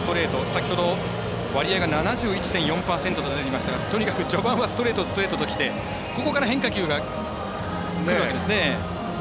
先ほど、割合が７１．４％と出ていましたが、とにかく序盤はストレート、ストレートときてここから変化球がくるわけですね。